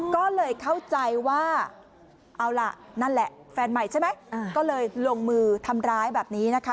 ก็เลยเข้าใจว่าเอาล่ะนั่นแหละแฟนใหม่ใช่ไหมก็เลยลงมือทำร้ายแบบนี้นะคะ